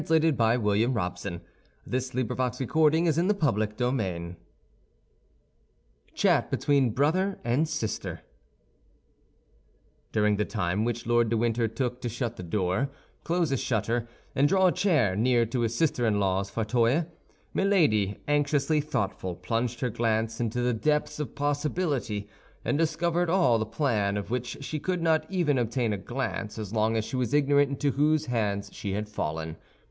"All is well, I thank you; now leave us alone, Mr. Felton." Chapter L. CHAT BETWEEN BROTHER AND SISTER During the time which Lord de Winter took to shut the door, close a shutter, and draw a chair near to his sister in law's fauteuil, Milady, anxiously thoughtful, plunged her glance into the depths of possibility, and discovered all the plan, of which she could not even obtain a glance as long as she was ignorant into whose hands she had fallen.